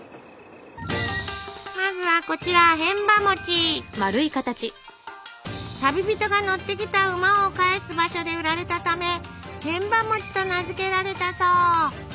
まずはこちら旅人が乗ってきた馬を返す場所で売られたためへんばと名付けられたそう。